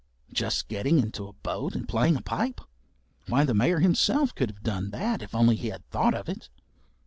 Just getting into a boat and playing a pipe! Why the Mayor himself could have done that if only he had thought of it.